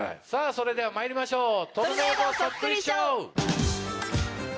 それではまいりましょう。おっ！